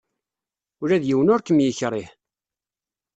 Ula d yiwen ur kem-yekṛih.